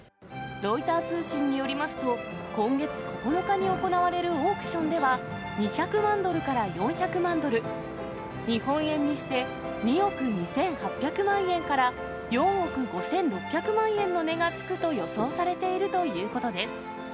ロイター通信によりますと、今月９日に行われるオークションでは、２００万ドルから４００万ドル、日本円にして２億２８００万円から４億５６００万円の値がつくと予想されているということです。